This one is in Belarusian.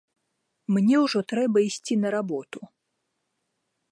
Мне ўжо трэба ісці на работу.